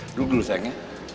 duduk dulu sayangnya